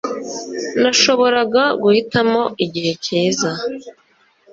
Nashoboraga guhitamo igihe cyiza